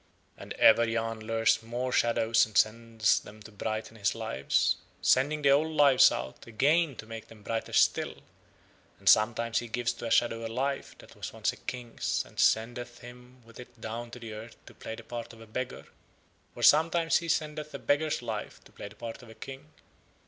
And ever Yahn lures more shadows and sends them to brighten his Lives, sending the old Lives out again to make them brighter still; and sometimes he gives to a shadow a Life that was once a king's and sendeth him with it down to the earth to play the part of a beggar, or sometimes he sendeth a beggar's Life to play the part of a king.